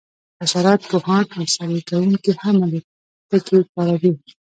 حشرات پوهان او سروې کوونکي هم الوتکې کاروي